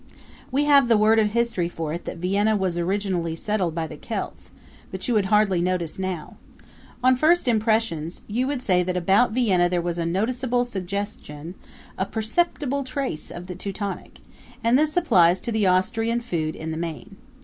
We have the word of history for it that Vienna was originally settled by the Celts, but you would hardly notice it now. On first impressions you would say that about Vienna there was a noticeable suggestion a perceptible trace of the Teutonic; and this applies to the Austrian food in the main.